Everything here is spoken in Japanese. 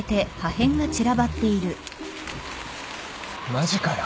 マジかよ！